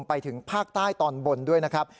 ไปถึงภาคใต้ตอนบนด้วยนะครับ